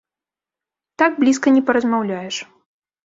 Так блізка не паразмаўляеш.